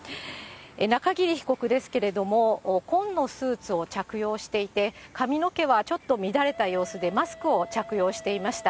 中桐被告ですけれども、紺のスーツを着用していて、髪の毛はちょっと乱れた様子で、マスクを着用していました。